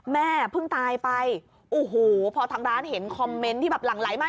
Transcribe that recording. แม่เพิ่งตายไปโอ้โหพอทางร้านเห็นคอมเมนต์ที่แบบหลั่งไหลมา